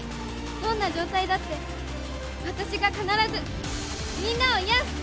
どんな状態だって私が必ずみんなを癒す！